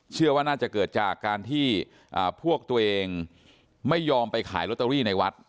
เชื่อว่าน่าจะเกิดจากการที่พวกตัวเองไม่ยอมไปขายลอตเตอรี่ในวัด